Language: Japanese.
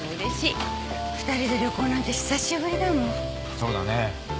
そうだね。